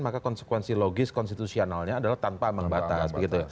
maka konsekuensi logis konstitusionalnya adalah tanpa mengbatas